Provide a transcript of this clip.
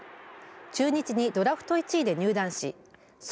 中日にドラフト１位で入団し走